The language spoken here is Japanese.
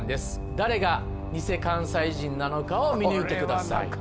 誰がニセ関西人なのかを見抜いてください